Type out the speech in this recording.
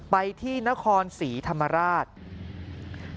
ไปที่นครศรีธรรมราช